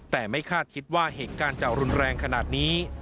แต่ไม่คาดคิดว่าเหตุการณ์จะรุนแรงขนาดนี้